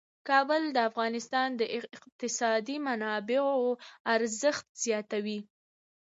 کابل د افغانستان د اقتصادي منابعو ارزښت زیاتوي.